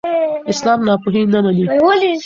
اسلام ناپوهي نه مني.